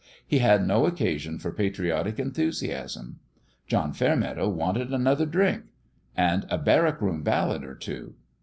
He had no occasion for patriotic enthusiasm. John Fairmeadow wanted another drink. ... And a Barrack Room Ballad or two.